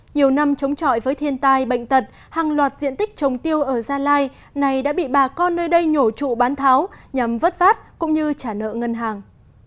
nhiều năm chống chọi với thiên tai bệnh tật hàng loạt diện tích trồng tiêu ở gia lai này đã bị bà con nơi đây nhổ trụ bán tháo nhằm vất vát cũng như trả nợ ngân hàng